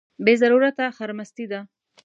بې ضرورته خرمستي ده.